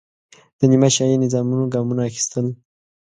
د نیمه شاهي نظامونو ګامونه اخیستل.